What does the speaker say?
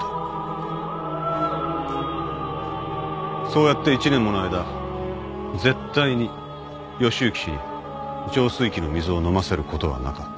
そうやって１年もの間絶対に義之氏に浄水器の水を飲ませることはなかった。